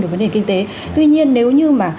đối với nền kinh tế tuy nhiên nếu như mà